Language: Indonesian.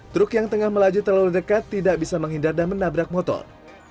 truk yang tengah melaju terlalu dekat tidak bisa menghindar dan menabrak motor